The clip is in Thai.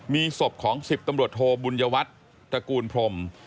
มีศพของ๑๐ตำรวจโทบุญยวัตรตระกูลพรม